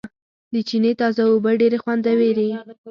د چينې تازه اوبه ډېرې خوندورېوي